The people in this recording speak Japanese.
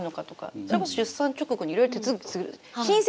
それこそ出産直後にいろいろ手続きする。